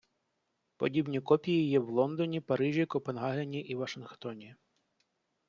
Подібні копії є в Лондоні, Парижі, Копенгагені і Вашингтоні.